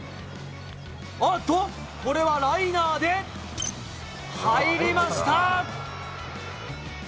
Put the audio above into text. おっと、これはライナーで入りました。